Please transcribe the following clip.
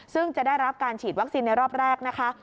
ซึ่งจะได้รับการฉีดวัคซีนในรอบแรกนะคะ